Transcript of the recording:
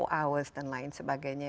dua puluh empat hours dan lain sebagainya